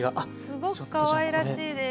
すごくかわいらしいです。